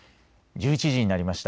１１時になりました。